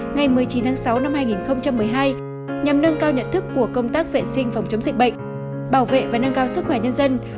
ngày một mươi chín tháng sáu năm hai nghìn một mươi hai nhằm nâng cao nhận thức của công tác vệ sinh phòng chống dịch bệnh bảo vệ và nâng cao sức khỏe nhân dân